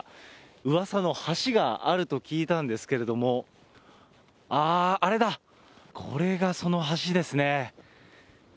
うわさの橋があると聞いたんですけれども、あー、あれだ、これがその橋ですね。